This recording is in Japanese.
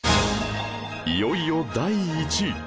いよいよ第１位